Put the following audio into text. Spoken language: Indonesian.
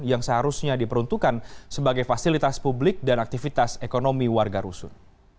yang seharusnya diperuntukkan sebagai fasilitas publik dan aktivitas ekonomi warga rusun